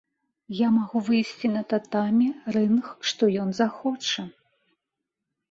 Я магу выйсці на татамі, рынг, што ён захоча!